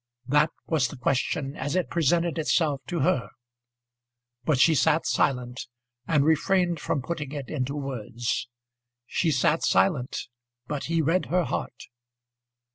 That was the question as it presented itself to her; but she sat silent, and refrained from putting it into words. She sat silent, but he read her heart.